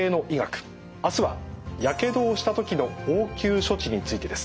あすはやけどをした時の応急処置についてです。